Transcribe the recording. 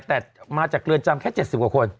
แต่มาจากเรือนจำแค่๗๐กว่าคน